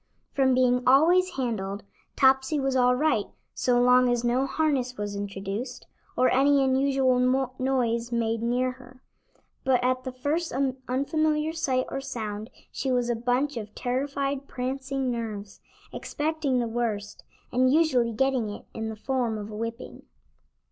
From being always handled, Topsy was all right, so long as no harness was introduced, or any unusual noise made near her; but at the first unfamiliar sight or sound she was a bunch of terrified, prancing nerves, expecting the worst, and usually getting it, in the form of a whipping.